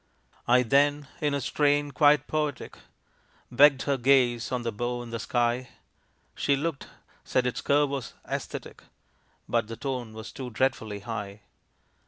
I then, in a strain quite poetic, Begged her gaze on the bow in the sky, She looked said its curve was "æsthetic." But the "tone was too dreadfully high."